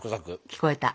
聞こえた。